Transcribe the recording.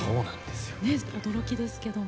驚きですけども。